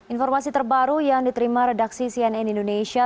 informasi terbaru yang diterima redaksi cnn indonesia